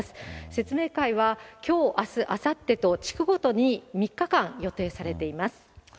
説明会はきょう、あす、あさってと、地区ごとに３日間予定されています。